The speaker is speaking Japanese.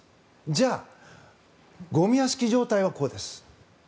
じゃあ、ゴミ屋敷状態はこうです。